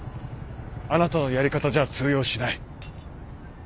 あなたのやり方じゃ通用しない。